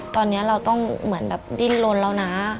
ตอนนี้เราต้องเหมือนแบบดิ้นลนแล้วนะ